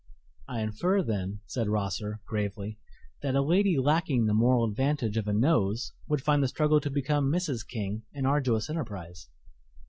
"I infer, then," said Rosser, gravely, "that a lady lacking the moral advantage of a nose would find the struggle to become Mrs. King an arduous enterprise."